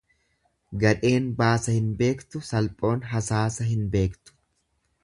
Gadheen baasa hin beektu, salphoon hasaasa hin beektu.